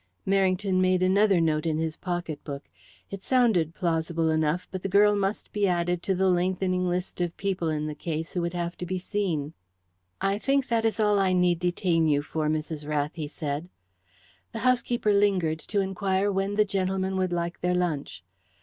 Merrington made another note in his pocket book. It sounded plausible enough, but the girl must be added to the lengthening list of people in the case who would have to be seen. "I think that is all I need detain you for, Mrs. Rath," he said. The housekeeper lingered to inquire when the gentlemen would like their lunch.